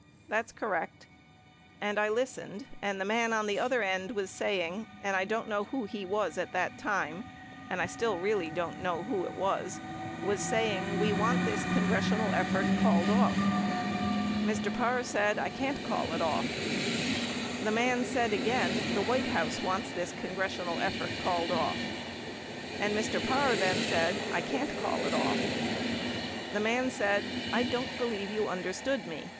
That's correct. And listened, and the man on the other end was saying, and I didn't know who he was at that time, and I still really don't know who it was, was saying we want this congressional effort called off. Mr. Parr said, I can't call it off. The man said again, the White House wants this congressional effort called off. And Mr. Parr then said, I can't call it off. The man said, I don't believe you under stood me.